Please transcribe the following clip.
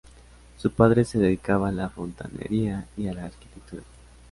Su padre se dedicaba a la fontanería y a la arquitectura.